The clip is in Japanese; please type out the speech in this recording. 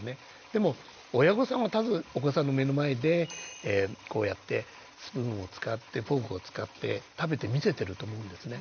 でも親御さんは多分お子さんの目の前でこうやってスプーンを使ってフォークを使って食べて見せてると思うんですね。